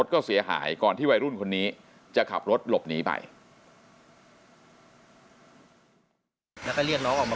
ก่อนที่วัยรุ่นคนนี้จะขับรถหลบหนีไป